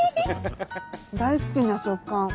大好きな食感。